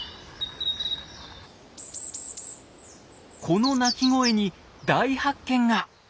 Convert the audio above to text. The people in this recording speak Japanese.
この鳴き声に大発見が！